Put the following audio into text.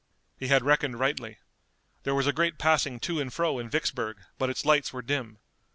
He had reckoned rightly. There was a great passing to and fro in Vicksburg, but its lights were dim.